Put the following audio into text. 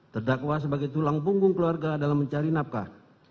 terdakwa sebagai tulang punggung keluarga dalam mencari nafkah